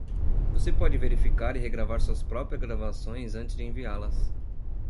Você pode verificar e regravar suas próprias gravações antes de enviá-las.